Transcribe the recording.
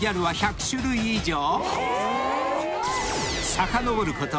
［さかのぼること